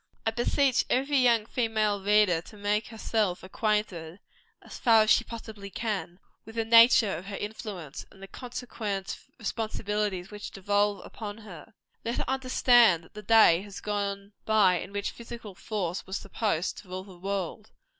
I beseech every young female reader to make herself acquainted, as far as she possibly can, with the nature of her influence, and the consequent responsibilities which devolve upon her. Let her understand that the day has gone by in which physical force was supposed to rule the world.